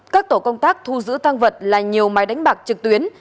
các tổ công tác thu giữ tăng vật là nhiều máy đánh bạc trực tuyến